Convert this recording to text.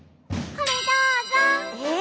これどうぞ。えっ？